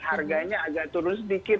harganya agak turun sedikit